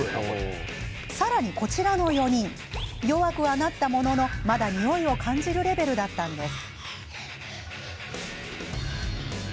さらに、こちらの４人弱くはなったもののまだにおいを感じるレベルだったんです。